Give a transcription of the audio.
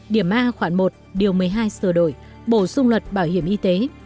điểm a khoản một điều một mươi hai sửa đổi bổ sung luật bảo hiểm y tế